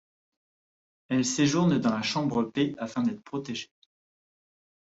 Elles séjournent dans la chambre P afin d'être protégées.